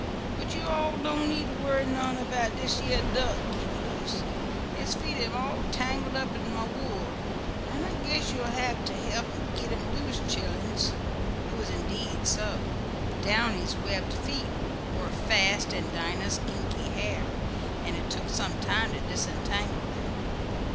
But yo' all don't need to worry none about dish yeah duck gittin loose. His feet am all tangled up in mah wool, an' I guess you'l hab t' help git 'em loose, chilluns!" It was indeed so. Downy's webbed feet were fast in Dinah's kinky hair, and it took some time to disentangle them.